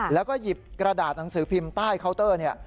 แล้วก็หยิบกระดาษหนังสือพิมพ์ใต้เคาน์เตอร์เนี่ย